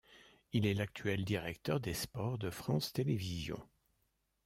Il est l'actuel directeur des sports de France Télévisions.